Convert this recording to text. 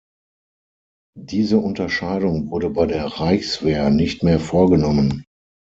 Diese Unterscheidung wurde bei der Reichswehr nicht mehr vorgenommen.